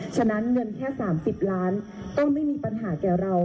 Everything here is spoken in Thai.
ฉะนั้นเงินแค่๓๐ล้านต้องไม่มีปัญหาแก่เรา